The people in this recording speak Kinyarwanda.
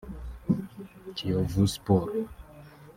Kiyovu Sports